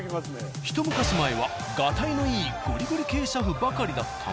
ひと昔前はガタイのいいゴリゴリ系俥夫ばかりだったが。